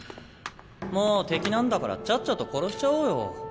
もう敵なんだからちゃっちゃと殺しちゃおうよ。